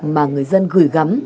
mà người dân gửi gắm